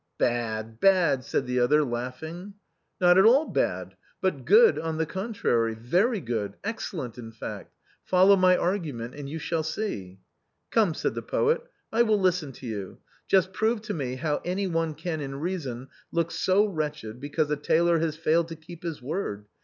" Bad, bad," said the other laughing. " Not at all bad, but good on the contrary, very good, excellent in fact. Follow my argument and you shall see." " Come," said the poet, " I will listen to you. Just prove to me how any one can in reason look so wretched because a tailor has failed to keep his word.